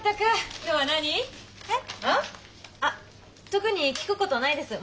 特に聞くことないです。